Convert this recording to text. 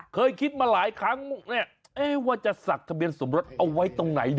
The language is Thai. เคยคิดมาหลายครั้งว่าจะสักทะเบียนสมรสเอาไว้ตรงไหน